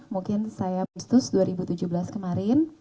mungkin saya bisnis dua ribu tujuh belas kemarin